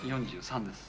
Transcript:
４３です。